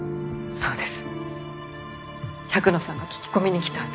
そうです。